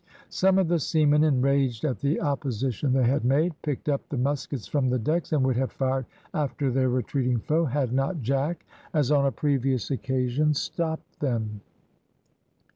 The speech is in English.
Some of the seamen, enraged at the opposition they had made, picked up the muskets from the decks, and would have fired after their retreating foe, had not Jack, as on a previous occasion, stopped them.